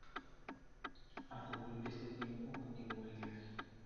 Al concluir este tiempo, continuó el viaje.